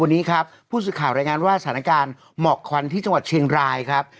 วันนี้ครับผู้สื่อข่าวรายงานว่าสถานการณ์หมอกควันที่จังหวัดเชียงรายครับ